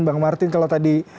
bang martin kalau tadi